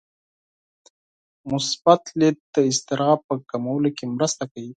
مثبت لید د اضطراب په کمولو کې مرسته کوي.